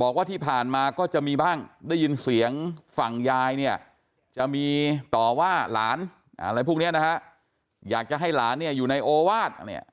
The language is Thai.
บอกว่าที่ผ่านมาก็จะมีบ้างได้ยินเสียงฝั่งยายเนี่ยจะมีต่อว่าหลานอะไรพวกนี้นะฮะอยากจะให้หลานเนี่ยอยู่ในโอวาสเนี่ย